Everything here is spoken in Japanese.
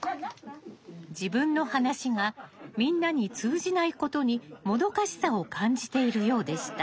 自分の話がみんなに通じないことにもどかしさを感じているようでした。